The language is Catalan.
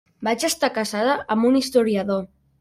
Vaig estar casada amb un historiador.